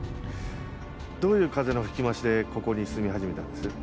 どういう風の吹き回しでここに住み始めたんです？